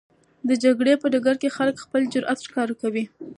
د جګړې په ډګر کې خلک خپل جرئت ښکاره کوي.